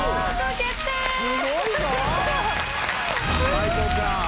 斎藤ちゃん。